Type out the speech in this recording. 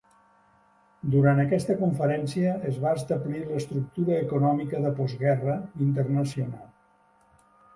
Durant aquesta conferència es va establir l'estructura econòmica de post-guerra internacional.